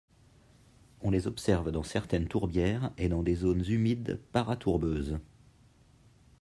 On les observe dans certaines tourbières et dans des zones humides paratourbeuses.